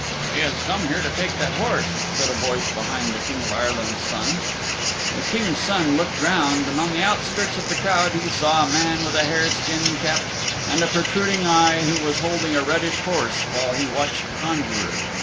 "He has come here to take that horse," said a voice behind the King of Ireland's Son. The King's Son looked round, and on the outskirts of the crowd he saw a man with a hare skin cap and a protruding eye who was holding a reddish horse, while he watched the conjuror.